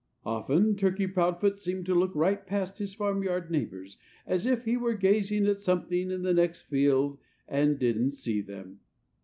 Often Turkey Proudfoot seemed to look right past his farmyard neighbors, as if he were gazing at something in the next field and didn't see them.